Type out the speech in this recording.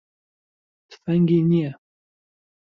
تفەنگی نییە.